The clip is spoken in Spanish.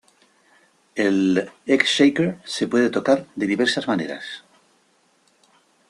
El egg shaker se puede tocar de diversas maneras.